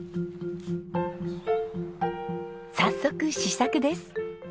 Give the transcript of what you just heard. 早速試作です。